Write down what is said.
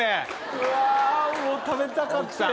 うわもう食べたかったやつ。